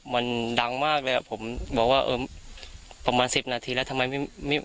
มันดังมากเลยอ่ะผมบอกว่าเออประมาณสิบนาทีแล้วทำไมไม่ไม่